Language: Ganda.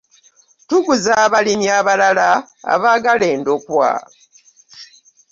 Tuguza abalimi abalala abagala endokwa